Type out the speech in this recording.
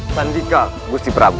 sandika gusti prabu